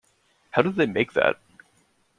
How did they make that?